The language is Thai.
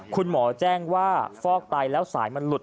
คุณหมอแจ้งว่าฟอกไตแล้วสายมันหลุด